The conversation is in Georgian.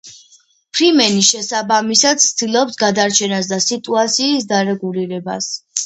ფრიმენი შესაბამისად ცდილობს გადარჩენას და სიტუაციის დარეგულირებას.